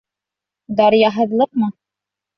— Даръяһыҙлыҡмы?